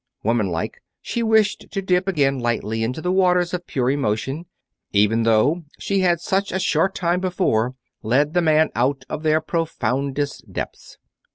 Woman like, she wished to dip again lightly into the waters of pure emotion, even though she had such a short time before led the man out of their profoundest depths.